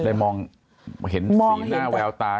มองเห็นสีหน้าแววตา